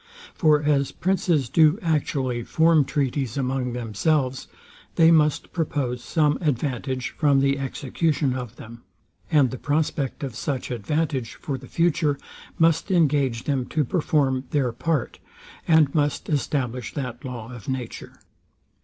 For as princes do actually form treaties among themselves, they must propose some advantage from the execution of them; and the prospect of such advantage for the future must engage them to perform their part, and must establish that law of nature.